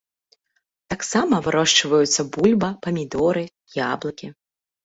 Таксама вырошчваюцца бульба, памідоры, яблыкі.